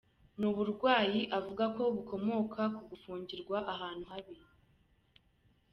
Ni uburwayi avuga ko bukomoka ku gufungirwa ahantu habi.